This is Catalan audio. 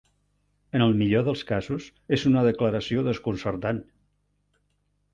En el millor dels casos és una declaració desconcertant.